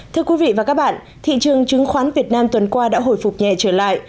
thưa quý vị và các bạn thị trường chứng khoán việt nam tuần qua đã hồi phục nhẹ trở lại